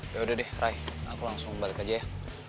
ya udah deh rai aku langsung balik aja ya